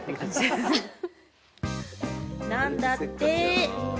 なんだって。